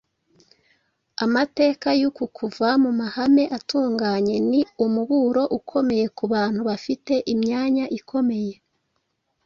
Amateka y’uku kuva mu mahame atunganye ni umuburo ukomeye ku bantu bafite imyanya ikomeye